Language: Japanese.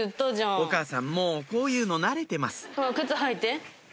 お母さんもうこういうの慣れてますほら靴履いて。